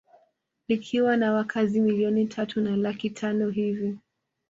Likiwa na wakazi milioni tatu na laki tano hivi